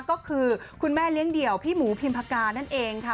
ก็คือคุณแม่เลี้ยงเดี่ยวพี่หมูพิมพากานั่นเองค่ะ